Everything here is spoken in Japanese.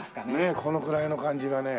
このくらいの感じがね。